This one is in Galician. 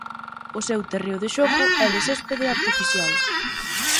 O seu terreo de xogo é de céspede artificial.